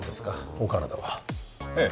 お体はええ